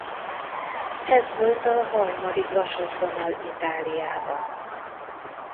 Ez volt a harmadik vasútvonal Itáliában.